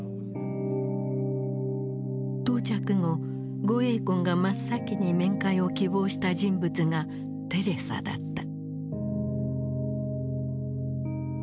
到着後呉栄根が真っ先に面会を希望した人物がテレサだった。